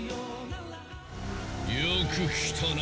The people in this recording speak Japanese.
よく来たな！